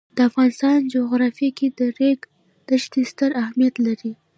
د افغانستان جغرافیه کې د ریګ دښتې ستر اهمیت لري.